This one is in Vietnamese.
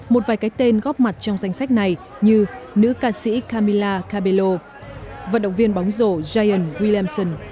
một vài cái tên góp mặt trong danh sách này như nữ ca sĩ camila cabello vận động viên bóng rổ jaion williamson